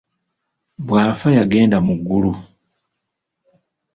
Bw’afa yagenda mu ggulu.